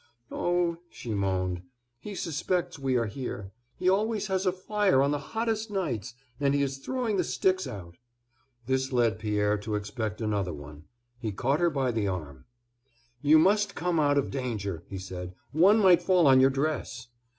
"Oh," she moaned, "he suspects we are here; he always has a fire on the hottest nights, and he is throwing the sticks out." This led Pierre to expect another one. He caught her by the arm. "You must come out of danger," he said, "one might fall on your dress."